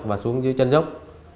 và xuống dưới chân dốc